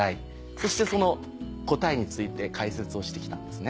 そしてその答えについて解説をして来たんですね。